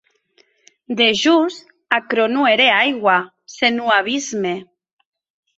Dejós, aquerò non ère aigua, senon abisme.